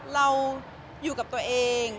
เราอยู่กับตัวเอง